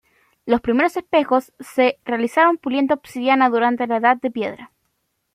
Los primeros espejos se realizaron puliendo obsidiana durante la Edad de Piedra.